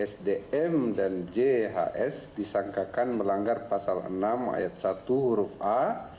sdm dan jhs disangkakan melanggar pasal enam ayat satu huruf a